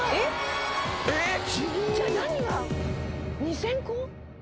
えっ⁉じゃあ何が２，０００個？